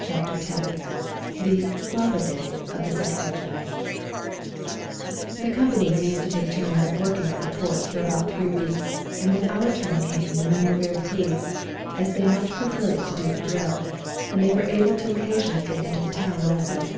CHAPTER X THE " SLAVA DAY " OF THE SECOND REGIMENT The companies used to take turns at working at the ports for about three weeks, and when our turn came the men were very pleased, as they much preferred it to doing drill, and they were able to occa sionally get into the town also.